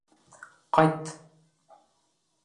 Ҡайт!